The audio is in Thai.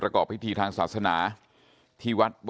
ตรของหอพักที่อยู่ในเหตุการณ์เมื่อวานนี้ตอนค่ำบอกให้ช่วยเรียกตำรวจให้หน่อย